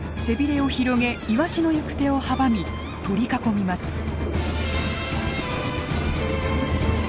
背びれを広げイワシの行く手を阻み取り囲みます。